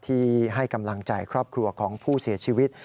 ที่ให้กำลังใจครอบครัวของผู้เสียชีวิต